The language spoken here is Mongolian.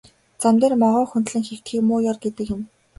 Зам дээр могой хөндлөн хэвтэхийг муу ёр гэдэг юм.